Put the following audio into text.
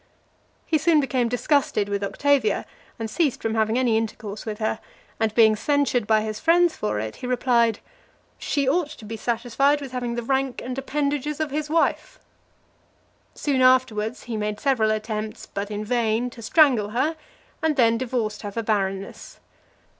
He soon became disgusted with Octavia, and ceased from having any intercourse with her; and being censured by his friends for it, he replied, "She ought to be satisfied with having the rank and appendages of his wife." Soon afterwards, he made several attempts, but in vain, to strangle her, and then divorced her for barrenness.